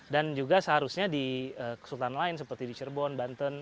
dan juga seharusnya di sultan lain seperti di cirebon banten